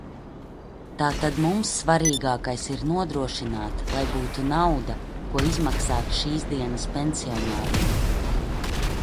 Tātad mums svarīgākais ir nodrošināt, lai būtu nauda, ko izmaksāt šīsdienas pensionāriem.